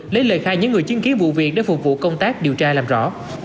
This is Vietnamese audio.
lấy lời khai những người chứng kiến vụ việc để phục vụ công tác điều tra làm rõ